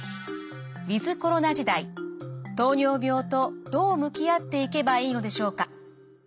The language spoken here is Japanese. ウィズコロナ時代糖尿病とどう向き合っていけばいいのでしょうか。